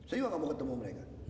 sejua gak mau ketemu mereka